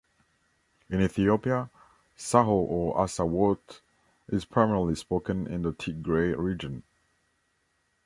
In Ethiopia, Saho or Assawort is primarily spoken in the Tigray Region.